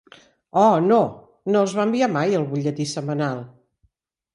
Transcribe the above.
Oh, no, no es va enviar mai el butlletí setmanal!